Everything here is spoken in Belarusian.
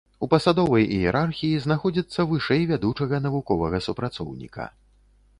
У пасадовай іерархіі знаходзіцца вышэй вядучага навуковага супрацоўніка.